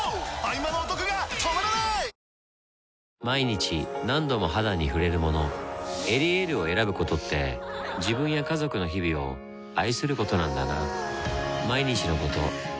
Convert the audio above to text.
毎日何度も肌に触れるもの「エリエール」を選ぶことって自分や家族の日々を愛することなんだなぁ